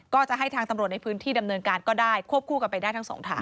ก็จะให้ทางตำรวจในพื้นที่ดำเนินการก็ได้ควบคู่กันไปได้ทั้งสองทาง